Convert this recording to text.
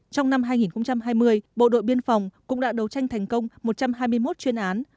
trong năm hai nghìn hai mươi bộ đội biên phòng cũng đã đấu tranh thành công một trăm hai mươi một chuyên án